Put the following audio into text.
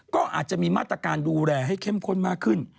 ก็อาจจะมีมาตรการดูแลให้เข้มข้นมากขึ้น